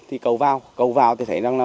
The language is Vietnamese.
thì cầu vào cầu vào thì thấy rằng là